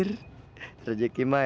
rejekimah emang gak kemana dah